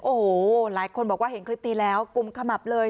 โอ้โหหลายคนบอกว่าเห็นคลิปนี้แล้วกลุ่มขมับเลย